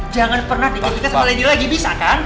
jangan pernah dijadikan sama lady lagi bisa kan